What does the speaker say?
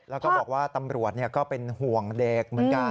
แล้วก็บอกว่าตำรวจก็เป็นห่วงเด็กเหมือนกัน